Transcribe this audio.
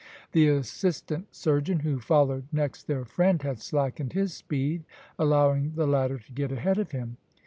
The assistant surgeon, who followed next their friend, had slackened his speed, allowing the latter to get ahead of him.